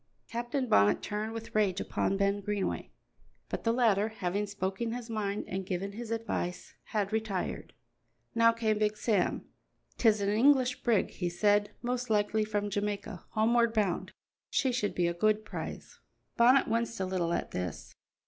Captain Bonnet turned with rage upon Ben Greenway, but the latter, having spoken his mind and given his advice, had retired. Now came Big Sam. "'Tis an English brig," he said, "most likely from Jamaica, homeward bound; she should be a good prize." Bonnet winced a little at this.